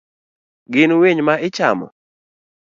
Gin winy ma ichamo?